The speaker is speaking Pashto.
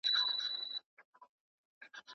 د استاد دنده یوازې مشوره ورکول دي.